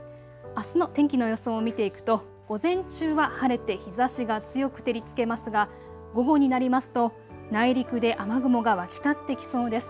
あすの天気の予想を見ていくと午前中は晴れて日ざしが強く照りつけますが午後になりますと内陸で雨雲が湧き立ってきそうです。